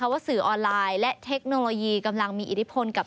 ว่าสื่อออนไลน์และเทคโนโลยีกำลังมีอิทธิพลกับ